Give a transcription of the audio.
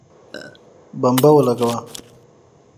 بمبه ولګوه